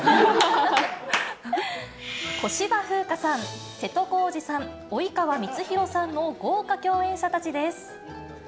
小芝風花さん、瀬戸康史さん、及川光博さんの豪華共演者たちです。